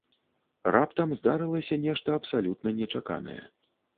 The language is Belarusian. Раптам здарылася нешта абсалютна нечаканае.